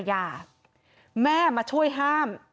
กังฟูเปล่าใหญ่มา